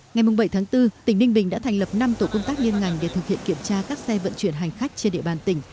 ngày bảy tháng bốn tỉnh ninh bình đã thành lập năm tổ công tác liên ngành để thực hiện kiểm tra các xe vận chuyển hành khách trên địa bàn tỉnh